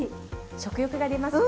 食欲が出ますよね。